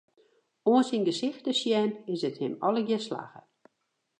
Oan syn gesicht te sjen, is it him allegear slagge.